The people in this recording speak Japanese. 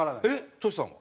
トシさんは？